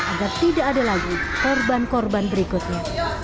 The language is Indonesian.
agar tidak ada lagi korban korban berikutnya